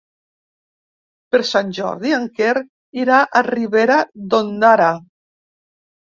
Per Sant Jordi en Quer irà a Ribera d'Ondara.